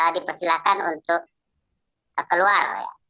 dipersilahkan untuk keluar